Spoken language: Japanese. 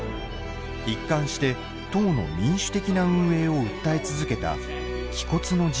一貫して党の民主的な運営を訴え続けた気骨の人物だ。